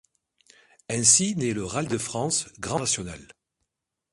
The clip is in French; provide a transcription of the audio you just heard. Ainsi nait le Rallye de France – Grand National.